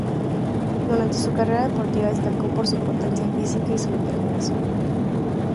Durante su carrera deportiva destacó por su potencia física y su determinación.